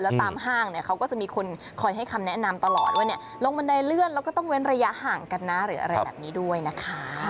แล้วตามห้างเนี่ยเขาก็จะมีคนคอยให้คำแนะนำตลอดว่าลงบันไดเลื่อนแล้วก็ต้องเว้นระยะห่างกันนะหรืออะไรแบบนี้ด้วยนะคะ